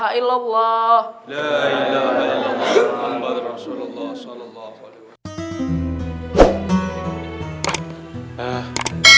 assalamu alaikum warahmatullah warahmatullah